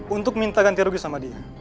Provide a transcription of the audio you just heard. untuk minta ganti rugi sama dia